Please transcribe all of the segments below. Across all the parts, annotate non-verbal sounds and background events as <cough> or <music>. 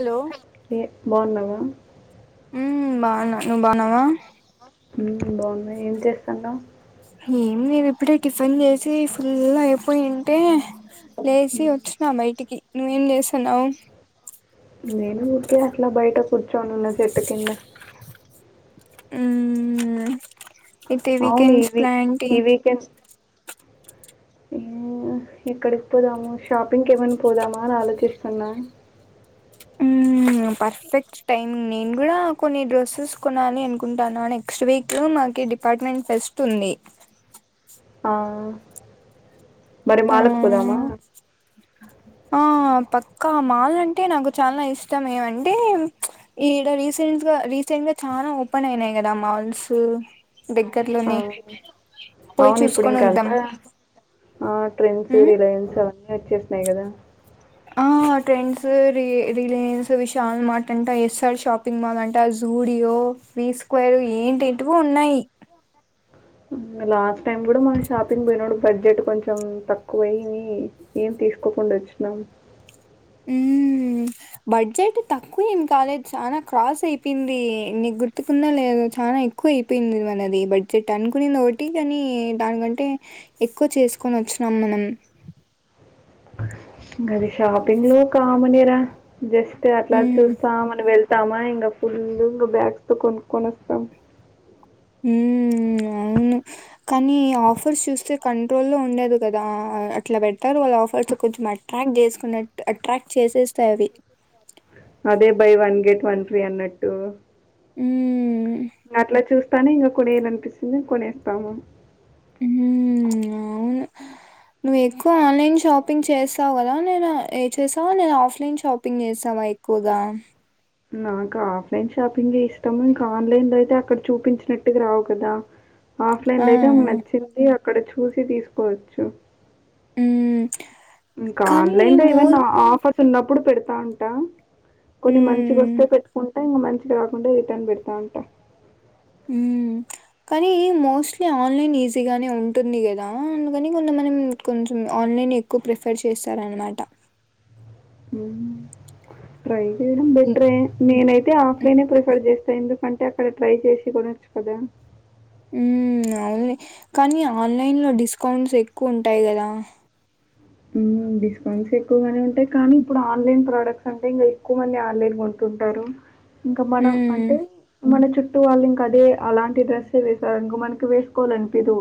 Hello ఏ బాగున్నావా హ్మ్ బాగున్న నువ్వు బాగున్నావా హ్మ్ బాగున్నా ఏం చేస్తాన్నవ్ ఏం నేను ఇప్పుడే టిఫిన్ చేసి ఫుల్ అయిపోయింటే లేచి వచ్చినం బయటికి నువ్వేం చేస్తా సనావు నేను ఊరికే అట్లా బయటకు కూర్చొని ఉన్న చెట్టు కింద హ్మ్ అయితే అవును వీకెండ్స్ ఇవి ప్లాన్ టి ఈ వీకెండ్ ఎక్కడికి పోదాము షాపింగ్కి ఏమైనా పోదామా అని ఆలోచిస్తున్నా హ్మ్ పర్ఫెక్ట్ టైమ్ నేను కూడా కొన్ని డ్రెస్సెస్ కొనాలి అనుకుంటాను నెక్స్ట్ వీక్ మాకి డిపార్ట్మెంట్ ఫెస్ట్ ఉంది ఆ మరి ఆ మాలుకు పోదామా అక్క మాల్ అంటే నాకు చాలా ఇష్టమే ఏమంటే ఈడ రీసెంట్ గా రీసెంట్ గా చానా ఓపెన్ అయినయ్ కదా మాల్స్ ఆ, దగ్గర్లోనే పోయ్ చూసుకొని వద్దాం ఆ ట్రెండ్స్ ఉమ్ రిలయన్స్ అవన్నీ వచ్చేసా అంతే కదా ఆ ట్రెండ్స్ రి రిలయన్స్ విశాల్ మార్ట్ అంట ఎస్ఆర్ షాపింగ్ మాల్ అంట జూడియో విీ స్క్వేర్ ఎంటీ్టో ఉన్నాయి లాస్ట్ టైం కూడా మనం షాపింగ్ పోయినప్పుడు బడ్జెట్ కొంచెం తక్కువయి ఏం తీసుకోకుండా వచ్చినాం హ్మ్ బడ్జెట్ తక్కువ ఎమ్ కాదు చనా క్రాస్ అయిపోయింది నీకు గుర్తువుందిలేదో చానా ఎక్కువ అయిపోయింది మనది బడ్జెట్ అనుకునింది ఒకటి కాని దానికంటే ఎక్కువ చేసుకొని వచ్చినాం మనం అది షాపిింగ్ లో కామనేరా జస్ట్ అట్లా ఉమ్ చూస్తామ్ మని వెల్ ఇస్తామా ఇంగ ఫుల్ ఇంగ బాగ్స్ తో కొనుకొన్ని వస్తాం హ్మ్ అవును కానీ ఆఫర్స్ చూస్తే కంట్రోల్లో ఉండదు కదా అట్లా పేడతారు వాళ్ళ ఆఫర్స్ కొంచెం అట్రాక్ట్ చేసుకున్నట్ అట్రాక్ట్ చేసేస్తాయి అవి అదే buy one get one free అన్నట్టు హ్మ్ అట్ల చూస్తానే ఇంకా కోనేయాలి అనిపిస్తుంది కొనేస్తాము హ్మ్ అవును నువ్వు ఎక్కువ ఆన్లైన్ షాపింగ్ చేస్తావు కదా నేను ఏ చేసి నేను ఆఫ్లైన్ షాపింగ్ చేస్తావా ఎక్కువగా నాకు ఆఫ్లైన్ షాపింగే ఇష్టము ఇంకా ఆన్లైన్ లో అయితే అక్కడ చూపించినట్టుగా రావు కదా ఆ! ఆఫ్లైన్ అయితే మా నచ్చింది అక్కడ చూసి తీసుకోవచ్చు హ్మ్ ఇంకా కానీ ఆన్లైన్ లో మో ఏవన్నా ఆఫర్స్ ఉన్నప్పుడు పెడతావు టా కొన్ని మంచిగా వస్తే హ్మ్. పెట్టుకుంటే ఇంగ మంచి ఇది రాకుండా రిటర్న్ పెడతావుంటా హ్మ్ కానీ మోస్ట్లీ ఆన్లైన్ ఈజీగానే ఉంటుంది కదా అందుకని కొంత మంది కొంచెం ఆన్లైన్ ఎక్కువ ప్రిఫర్ చేస్తారనమాట హ్మ్ ట్రై చేయడం బేటారే నేనైతే ఆఫ్లైనే ప్రిఫర్ చేస్తా ఎందుకంటే అక్కడ ట్రై చేసి కొనచ్చు కదా హ్మ్ అవునులే కానీ ఆన్లైన్ లో డిస్కౌంట్స్ ఎక్కువ ఉంటాయి కదా డిస్కౌంట్స్ ఎక్కువగానే ఉంటాయి కానీ ఇప్పుడు ఆన్లైన్ ప్రోడక్ట్స్ అంటే ఇంకా ఎక్కువ మంది ఆన్లైన్ కొంటుంటారు ఇంకా మనం హ్మ్ అంటే మన చు చుట్టూ వాళ్ళు ఇంక అదే అలాంటి డ్రెస్ వేసారే అనుకో మనకి వేసుకోవాలి అనిపిదు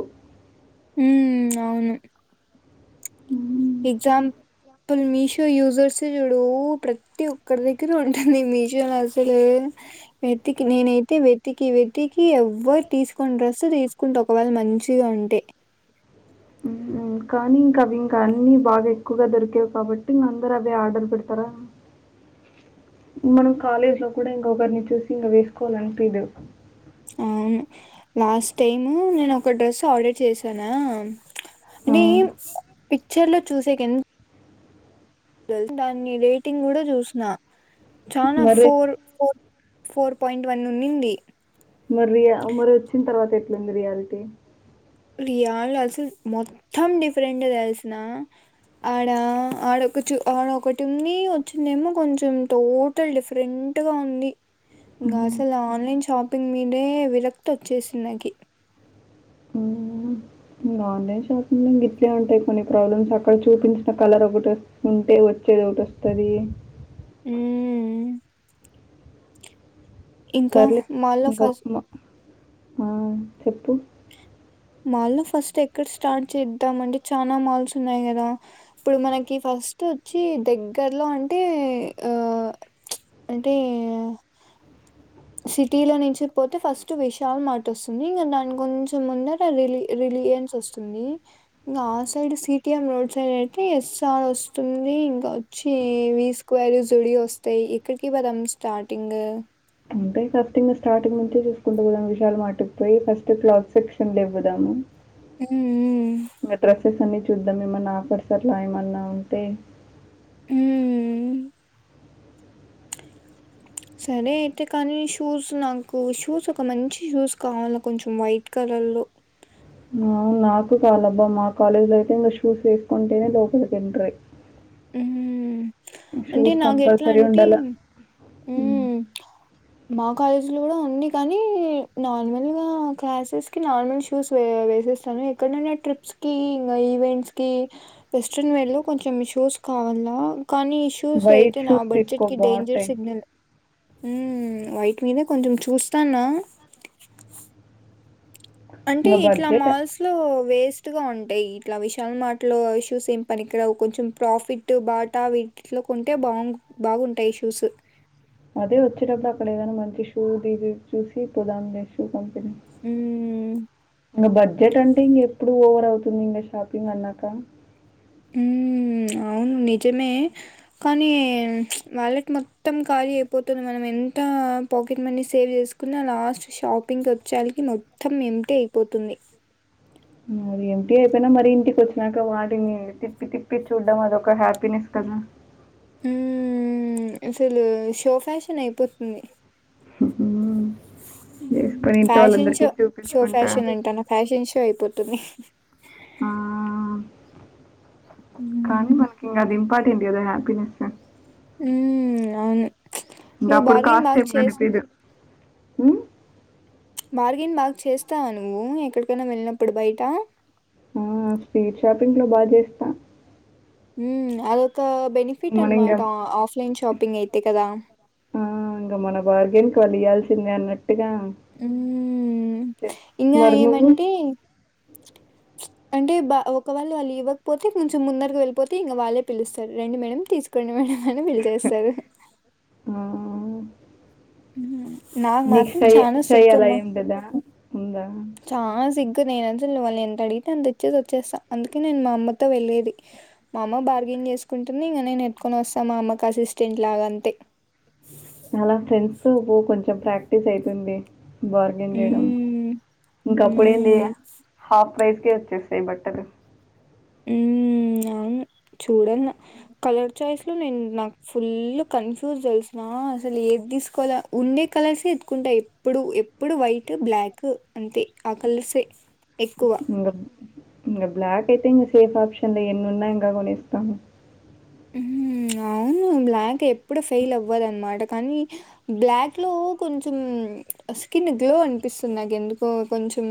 హ్మ్ అవును హ్మ్ ఎక్సంపుల్ మీషో యూజర్స్ చూడు ప్రతి ఒక్కరి దగ్గర ఉంటుంది మీషో న అసలు వెతికి నేనైతే వెతికి వెతికి ఎవరు తీసుకుొని డ్రస్ తీసుకుంటే ఒకవేళ మంచిగా ఉంటే కానీ ఇంకా అవి ఇంకా అన్నిీ బాగా ఎక్కువగా దొరికేవు కాబట్టి మీ అందరు అవే ఆర్డర్ పెడతారా మనం కాలేజ్ లో కూడా ఇంకొకరిని చూసి ఇంక వేసుకోవాలని అనిపిదు అవును లాస్ట్ టైమ్ నేను ఒక డ్రెస్ ఆర్డర్ చేశానా ఆ! అది పిక్చర్ లో చూసెకి దాన్ని రేటింగ్ కూడా చూసిన చానా మరి four four four point one ఉన్నింది మరి రియా మరి వచ్చిన తర్వాత ఎట్లుంది రియాలిటీ రియల్ అసలు మొత్తం డిఫరెంట్ తెలుసునా ఆడ ఆడ ఒక చు ఆడ ఒకటుంది వచ్చిందేమో కొంచెం టోటల్ డిఫరెంట్గా ఉంది ఇంగ హ్మ్. అసలు ఆన్లైన్ షాపింగ్ కప్పింగ్ మీదే విరక్తి వచ్చేసింది నకి ఆన్లైన్ షాపింగ్ ఇట్లే ఉంటాయి కొన్ని ప్రాబ్లమ్స్ అక్కడ చూపించిన కలర్ ఒకటి ఉంటే వచ్చేది ఒకటి వస్తది ఉహ్ సర్లే మాల్లో ఇంకా ఫస్ట్ <unintelligible> అహ్ చెప్పు మాల్ల్లో ఫస్ట్ ఎక్కడ స్టార్ట్ చేద్దాం అంటే చనాా మాల్స్ ఉన్నాయి కదా ఇప్పుడు మనకి ఫస్ట్ వచ్చి దగ్గర్లో అంటే ఆ అంటే సిటీలో నుంచి పోతే ఫస్ట్ విశాల్ మార్ట్ వస్తుంది ఇంకా దానికి కొంచం ముందట రిల్ రిలీయాన్స్ వస్తుంది ఇంకా ఆ సైడ్ సిటిఎం రోడ్ సైడ్ అయితే ఎస్సార్ వస్తుంది ఇంకా వచ్చి వి స్క్వేర్ జుడియో వస్తాయి ఎక్కడికి పదాం స్టార్టింగ్ అంటే ఫస్ట్ స్టార్టింగ్ నుంచే చూసుకుంటూ పోదాం విశాల్ మార్ట్కుపోయి ఫస్ట్ క్లాత్ సెక్షన్లకు పోదాము మ్మ్ ఇక డ్రెస్సెస్ అన్ని చూద్దాం ఏమన్నా ఆఫర్స్ ఏమన్నా ఉంటే ఉహ్ హ్ సరే అయితే కానీ షూస్ నాకు షూస్ ఒక మంచి షూస్ కావాల కొంచెం వైట్ కలర్ లో నాకు కావాలబ్బా మా కాలేజ్ లో అయితే ఇంకా షూస్ వేసుకుంటేనే లోపలికి ఎంట్రీ ఉహ్ అంటే షూస్ నాకు ఎట్లా కంపల్సరీ అంటే ఉండాల. హ్మ్. ఉహ్ మా కాలేజీ లో కూడా ఉంది కానీ నార్మల్ గా క్లాసెస్ కి నార్మల్ షూస్ వే వేసేస్తాను ఎక్కడైనా ట్రిప్స్ కి ఇంకా ఈవెంట్స్ కి వెస్ట్రన్ వే లో కొంచెం షూస్ కావాలా కానీ షూస్ వైట్ అయితే నా షూస్ తీసుకో బడ్జెట్ కి డేంజర్ బావుంటాయి. సిగ్నల్ ఉహ్ వైట్ మీద కొంచం చూస్తాన్న అంటే ఇంగ ఇట్లా బడ్జెట్ మాల్స్ లో వేస్ట్ గా ఉంటాయి ఇట్లా విశాల్ మార్ట్ లో షూస్ ఏం పనికి రావు కొంచెం ప్రాఫిట్ బాటా వీటిలో కొంటే బాగు బాగుంటాయి షూస్ అదే వచ్చేటప్పుడు అక్కడ ఏదన్నా మంచి షూస్ ది చూసి పోదాములే హ్మ్. బడ్జెట్ అంటే ఇంకా ఎప్పుడు ఎప్పుడు ఓవర్ అవుతుంది ఇంకా షాపింగ్ అన్నాక ఉహ్ అవును నిజమే కానీ వాలెట్ మొత్తం ఖాళీ అయిపోతది మనం ఎంత పాకెట్ మనీ సేవ్ చేసుకున్నా లాస్ట్ షాపింగ్కి వచ్చేలాకి మొత్తం ఏమిటే అయిపోతుంది మరి ఎంప్టీ అయిపోయినా మరి ఇంటికి వచ్చినాక వాటిని తిప్పి తిప్పి చూడ్డం అదొక హ్యాపీనెస్ కదా ఉహ్ అసలు షో ఫ్యాషన్ అయిపోతుంది ఉహు హ్ ఫ్యాషన్ షో షో చూపించుకుంటా. ఫ్యాషన్ అంటాన్న ఫ్యాషన్ షో అయిపోతుంది ఆ.... హ్మ్. కానీ మనకి ఇంగా అది ఇంపార్టెంట్ పిండి కదా హ్యాపినెస్ హా ఉహ్ అవును ఇంకా నువ్వు అప్పుడు బార్గెయిన్ కాస్ట్ బాగా తీసిందండి చేస్ మీరు ఉహ్ మ్చ్ బార్గెన్ మాగ్ చేస్తావా నువ్వు ఎక్కడికైనా వెళ్ళినప్పుడు బయట ఆ స్ట్రీట్ షాపింగ్ లో బాగా చేస్తా హుమ్ ఆదోద్ కా బెనిఫిట్ మనింగ అన్నమాట ఆఫ్లైన్ షాపింగ్ అయితే కదా ఆ! ఇంగ మన బార్గెన్ కోనియాల్సిందే అన్నట్టు ట్జుగ హ్మ్. ఇంగా మరి నువ్వు ఏమంటే అంటే బా ఒక వాళ్ళ వాళ్ళు ఇవ్వకపోతే కొంచెం ముందరకి వెళ్ళిపోతే ఇంగా వాళ్ళే పిలుస్తారు రండి మేడమ్ తీసుకోండి మేడం అని బిల్ చేస్తారు ఆ! ఉహూమ్ నీకు సై సై అలా ఉంటదా ఉంగా ఇ నేనది తెళ్ళవాళని ఎంత అడిగితే అంత తెచ్చేది వచ్చేస్తాను అందుకే నేను మా అమ్మతోళ్లేది మా అమ్మ బార్గెన్ చేసుకుంటునే ఇంక నేను ఎట్టుకొని వస్తాను మా అమ్మకి అసిస్టెంట్ లాగా అంతే అలా ఫ్రెండ్స్ తో పో కొంచెం ప్రాక్టీస్ అయితుంది బార్గెన్ చేయడం హ్మ్. ఇంక అప్పుడ ఏంది హ్మ్. హాఫ్ ప్రైస్ కే వచ్చేస్తాయ్ బట్టలు ఉమ్మ్ అవును చూడాలన కలర్ చాయిస్ లో నేన్ నాకు ఫుల్ కన్ఫ్యూజ్ తెలిసిన అసలు ఏది తీసుకోవాల ఉండే కలర్సే ఎత్తుకుంటా ఎప్పుడు ఎప్పుడు వైట్ బ్లాక్ అంతే ఆ కలర్సే ఎక్కువ ఇంగా బ్లాక్ అయితే ఇంగా సేఫ్ ఆప్షన్ ఎన్ని ఉన్నా ఇంగా కొనేస్తాము హుమ్మ్ అవును బ్లాక్ ఎప్ ప్పుడు ఫెయిల్ అవ్వదన్నమాట కానీ బ్లాక్ లో కొంచెం స్కిన్ గ్లో అనిపిస్తుంది నాకు ఎందుకో కొంచెం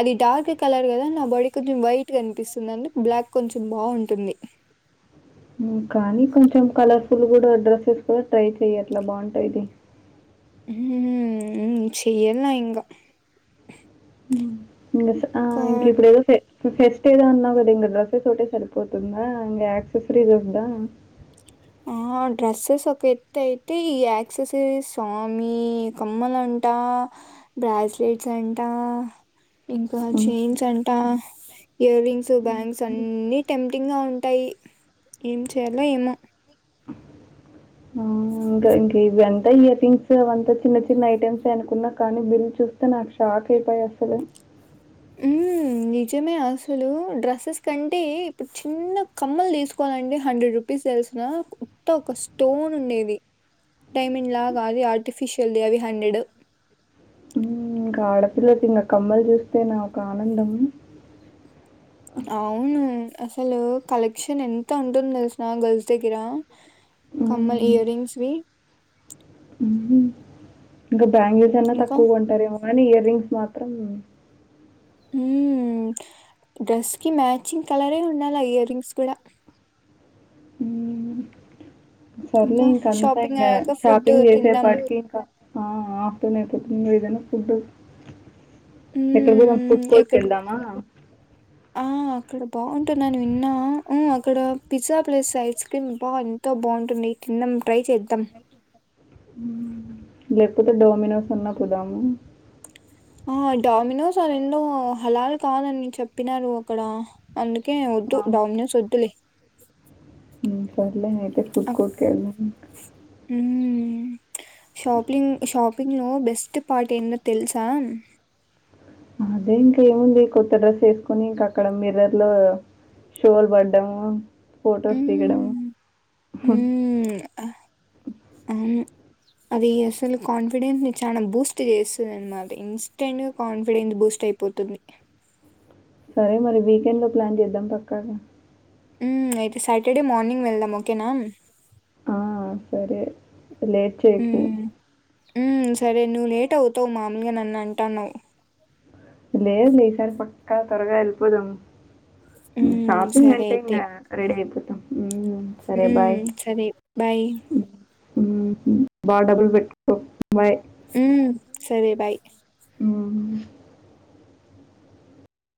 అది డార్క్ కలర్ కదా నా బాడీ కొంచెం వైట్గా అనిపిస్తుంది అంటే బ్లాక్ కొంచెం బాగటుంది అమ్ కానీ కొంచెం కలర్ఫుల్ కూడా డ్రెస్సెస్ కూడా ట్రై చెయ్ అట్లా బావుంటది హు హు హ చేయలా ఇంగా హ్మ్. ఆ ఇంగా ఇప్పుడు ఎల్ సే ఫెస్ట్ ఏదో అన్నావు కదా ఇంకా డ్రస్ తోటే సరిపోతుందా ఇంకా యాక్సెసరీస్ వందా ఆ డ్రెస్సెస్ ఒక ఎత్త అయితే ఈ యాక్సెసరీస్ స్వామి కమ్మలంట బ్రాస్లెట్స్ అంట ఇంకా హ్మ్. చైన్స్ అంటా ఇయర్ రింగ్స్ బ్యాంగ్స్ అన్ని టెం ట్టింగ్ గా ఉంటాయి ఏం చేయాలో ఏమో ఇంకా ఇంక ఇవి ఎంత ఇయర్ రింగ్స్ అవంతా చిన్న చిన్న ఐటెమ్స్ ఎనుకున్నా కానీ బిల్ చూస్తే నాకు షాక్ అయిపోయి అసలు నిజమే అసలు డ్రెస్సెస్ కంటే ఇప్పుడు చిన్న కమ్మలు తీసుకోవాలండి హండ్రెడ్ రూపీస్ తెలిసిన కొత్త ఒక స్టోన్ ఉండేది డైమండ్ లాగాది ఆర్టిఫిషియల్ది అవి హండ్రెడ్ ఇంకా ఆడపిల్లకి ఇంకా కమ్మలు చూస్తే నాకు ఆనందం అవును అసలు కలెక్షన్ ఎంత ఉంటుంది తెలుసా గర్ల్స్ దగ్గర కమ్మలు హ్మ్. ఇయర్ రింగ్స్ వి గ బ్యాంగిల్స్ అన్నా ఇంకా తక్కువ కొంటారేమో కానీ ఇయర్ రింగ్స్ మాత్రం హు డ్రెస్ కి మ్యాచింగ్ కలరే ఉండాల ఇయర్ రింగ్స్ కూడా ఊ సర్లే ఇంకా ఇంక అంత షాపింగ్ ఇంకా అయ్యాక ఫుడ్ షాపింగ్ తిందాం చేసేపాటికి ఇంకా ఆ ఆ ఆఫ్టర్నూన్ ఏదైనా ఫుడ్డు ఎక్కడ పోదాం మ్మ్ ఫుడ్ కోట్ కి ఎక్కడ వెళ్దామా ఆ అక్కడ బాగుంటుంది అని విన్నా ఆ అక్కడ పిజ్జా ప్లస్ ఐస్ క్రీమ్ బా ఎంతో బాగుంటుంది తిన్నం ట్రై చేద్దం లేకపోతే డొమినోస్ అన్న పోదాం ఆ డమినోస్ ఆ రెండు హలార్ కాదని చెప్పినారు అక్కడ అందు కే వద్దు ఆ! డమినోస్ వద్దులే ఉ సర్లే ఫుడ్ కోర్ట్ కేళ్న్నా ఉహు షాపింగ్ షాపింగ్ లో బెస్ట్ పార్ట్ ఎంద తెలుసా అదే ఇంక ఏముంది కొత్త డ్రెస్ వేసుకొని ఇంకా అక్కడ మిర్రర్ లో షోలు పడ్డము ఫోటోస్ దిగడము మ్మ్ హ్మ్ అహ్, అవును అది అసలు కాన్ఫిడెన్స్ ని చాలా బూస్ట్ చేస్తుందినమాట ఇన్స్టెంట్ కాన్ఫిడెన్స్ బూస్ట్ అయిపోతుంది సరే మరి వీకెండ్ లో ప్లాన్ చేద్దాం పక్కాగా అయితే సాటర్డే మార్నింగ్ వెళ్దాం ఓకేనా ఆ సరే లేట్ చేయకు ఉ సరే నువ్వు లేట్ అవుతావు మామూలుగా నన్ను అంటన్నావు లేదులే ఈసారి పక్క త్వరగా ఎల్లిపొదాం ఉ హ్మ్. షాపిింగ్ సరే అంటే ఇంగ రేపు ఉ ఉ సరే బై ఉ బా డబల్ పెట్టు బాయ్ ఉ సరే బాయ్ ఊ